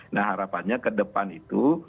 nah harapannya kedepan itu